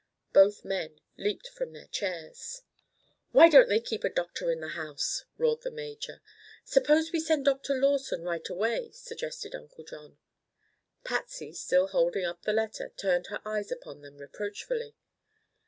Both men leaped from their chairs. "Why don't they keep a doctor in the house?" roared the major. "Suppose we send Dr. Lawson, right away!" suggested Uncle John. Patsy, still holding up the letter, turned her eyes upon them reproachfully.